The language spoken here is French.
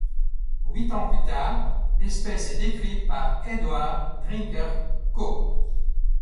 Huit ans plus tard l'espèce est décrite par Edward Drinker Cope.